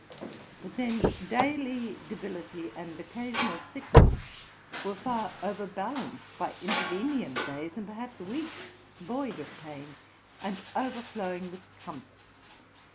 But then daily debility and occasional sickness were far overbalanced by intervenient days, and, perhaps, weeks void of pain, and overflowing with comfort.